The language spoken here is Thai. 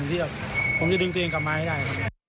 ที่ผมจะดึงตัวเองกลับมาให้ได้ครับ